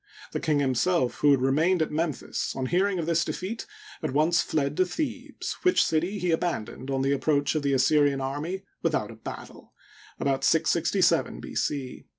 The king himself, who had remained at Memphis, on hearing of this defeat, at once fled to Thebes, which city he abandoned on the approach of the Assyrian army without a battle (about 667 B. c).